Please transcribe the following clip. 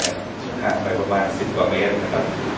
ห่างไปประมาณ๑๐กว่าเมตรนะครับ